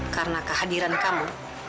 karena kehadiran kamu